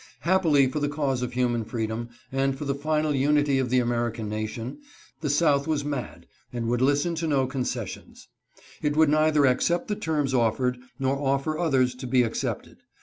Happily for the cause of human freedom, and for the final unity of the American nation, the South was mad, and would listen to no concessions. It would neither accept the terms offered, nor offer others to be accepted.